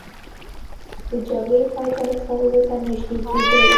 د جګړې پای ته رسولو ته نژدې کیدل